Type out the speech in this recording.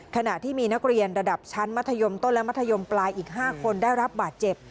ขณะที่มีนักเรียนระดับชั้นมัธยมต้นและมัธยมปลายอีก๕คนได้รับบาดเจ็บ